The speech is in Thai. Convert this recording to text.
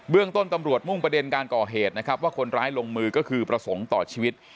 เรื่องต้นตำรวจมุ่งประเด็นการก่อเหตุนะครับว่าคนร้ายลงมือก็คือประสงค์ต่อชีวิต